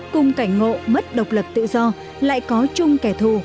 cùng cảnh ngộ mất độc lập tự do lại có chung kẻ thù